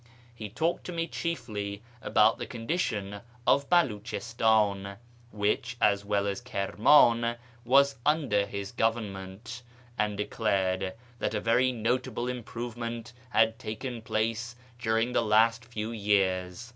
He talked to me chiefly about the condition of Beliichistan (which, as well as Kirnuin, was under his government), and declared that a very notable improvement had taken place during the last few years.